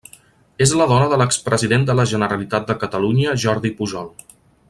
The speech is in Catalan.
És la dona de l'expresident de la Generalitat de Catalunya Jordi Pujol.